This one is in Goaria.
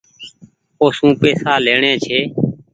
اوسون پئيسا ليڻي ڇي۔